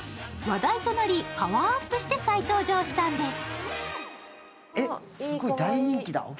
話題となり、パワーアップして再登場したんです。